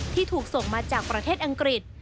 ที่ถูกส่งมาจากประเทศอังกฤษ